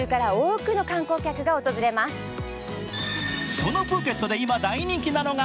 そのプーケットで今大人気なのが